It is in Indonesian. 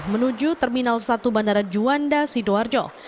menuju terminal satu bandara juanda sidoarjo